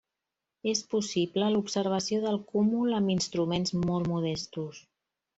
És possible l'observació del cúmul amb instruments molt modestos.